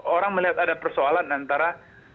orang melihat ada persoalan antara